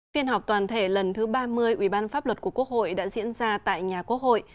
phiên họp toàn thể lần thứ ba mươi ủy ban pháp luật của quốc hội đã diễn ra tại nhà quốc hội